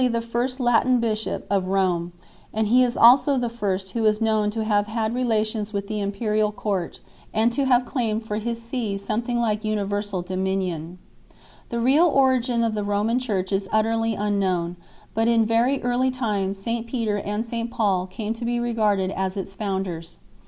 the first Latin bishop of Rome, and he is also the first who is known to have had relations with the imperial court 1 , and to have claimed for his see something like universal dominion 2 . The real origin of the Roman Church is utterly un known, but in very early times St Peter and St Paul 3 came to be regarded as its founders.